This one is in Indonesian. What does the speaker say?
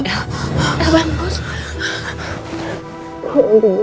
aku mimpiin bukanya lagi